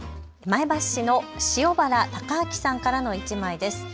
前橋市の塩原隆明さんからの１枚です。